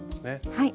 はい。